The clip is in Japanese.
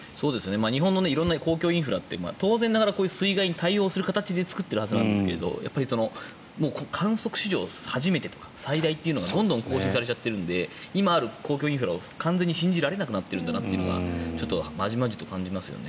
日本の色んな公共インフラって当然ながらこういう水害に対応する形で作っているはずなんですけど観測史上初めてとか最大というのがどんどん更新されちゃっているので今ある公共インフラを完全に信じられなくなっているんだなと感じますね。